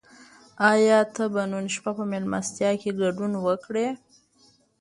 آیا ته به نن شپه په مېلمستیا کې ګډون وکړې؟